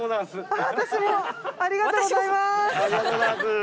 ありがとうございます。